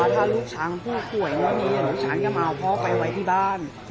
ถ้าลูกชายผู้ขวยไม่มีจะเอาพ่อก็ไปไว้ที่บ้าน